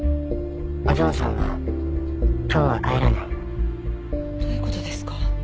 「お嬢さんは今日は帰らない」どういう事ですか？